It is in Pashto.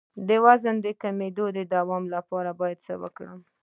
د وزن د کمیدو د دوام لپاره باید څه وکړم؟